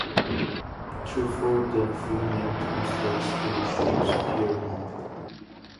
Therefore the full name translates to ‘Shaw’s spear mouth’.